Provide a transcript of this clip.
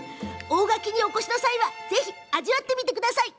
大垣にお越しの際は味わってみてください！